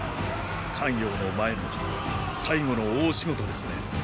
咸陽の前の最後の大仕事ですね。